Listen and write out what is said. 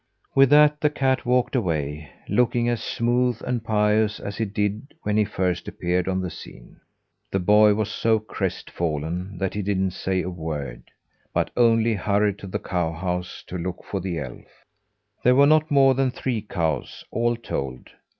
With that the cat walked away looking as smooth and pious as he did when he first appeared on the scene. The boy was so crestfallen that he didn't say a word, but only hurried to the cowhouse to look for the elf. There were not more than three cows, all told.